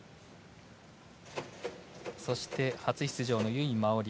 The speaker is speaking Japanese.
そして、初出場の由井真緒里。